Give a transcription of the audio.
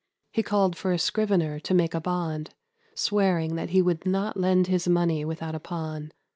he called for a scrivener to make a bond, swearing that he would not lend his money without a pawne....